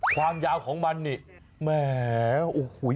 ความยาวของมันนี่แหมโอ้โห